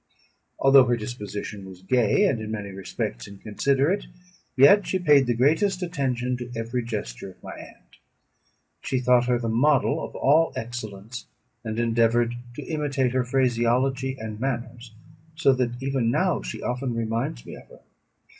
Although her disposition was gay, and in many respects inconsiderate, yet she paid the greatest attention to every gesture of my aunt. She thought her the model of all excellence, and endeavoured to imitate her phraseology and manners, so that even now she often reminds me of her.